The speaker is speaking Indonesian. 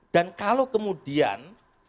dan kalau kemudian